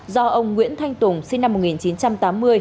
do ông nguyễn thanh tùng sinh năm một nghìn chín trăm tám mươi